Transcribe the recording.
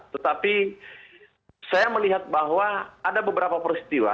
tetapi saya melihat bahwa ada beberapa peristiwa